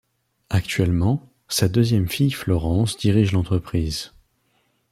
Actuellement, sa deuxième fille Florence dirige l’entreprise.